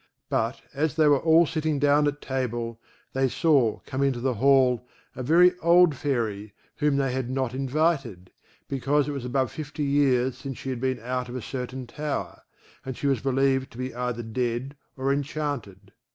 But as they were all sitting down at table, they saw come into the hall a very old Fairy whom they had not invited, because it was above fifty years since she had been out of a certain tower, and she was believed to be either dead or inchanted.